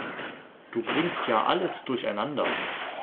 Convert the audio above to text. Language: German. Du bringst ja alles durcheinander.